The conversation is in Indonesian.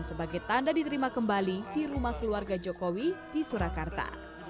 sebagai tanda diterima kembali di rumah keluarga jokowi di surakarta